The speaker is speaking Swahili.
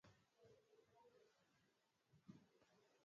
kwa ajili ya watumwa waliokuwa wakitolewa bara anasema